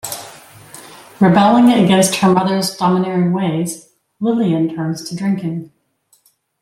Rebelling against her mother's domineering ways, Lillian turns to drinking.